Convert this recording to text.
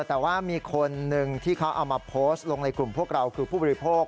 แต่ว่ามีคนหนึ่งที่เขาเอามาโพสต์ลงในกลุ่มพวกเราคือผู้บริโภค